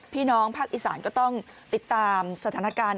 พี่น้องภาคอีสานก็ต้องติดตามสถานการณ์